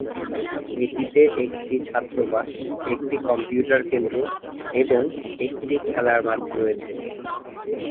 এটিতে একটি ছাত্রাবাস, একটি কম্পিউটার কেন্দ্র এবং একটি খেলার মাঠ রয়েছে।